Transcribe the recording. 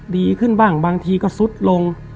ดีขึ้นบ้างบางทีก็ซุดลง